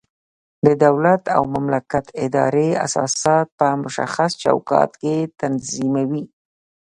د دولت او مملکت ادارې اساسات په مشخص چوکاټ کې تنظیموي.